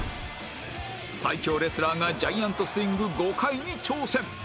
最強レスラーがジャイアントスイング５回に挑戦！